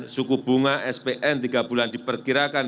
suku bunga spn tiga bulan diperkirakan